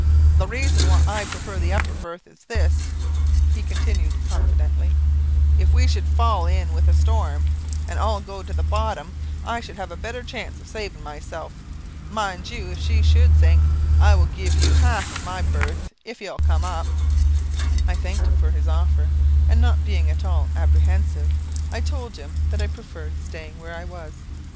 The reason why I prefer the upper berth is this," he continued confidentially; "if we should fall in with a storm, and all go to the bottom, I should have a better chance of saving myself. But mind you, if she should sink I will give you half of my berth, if you'll come up." I thanked him for his offer, and not being at all apprehensive, I told him that I preferred staying where I was.